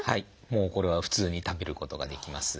もうこれは普通に食べることができます。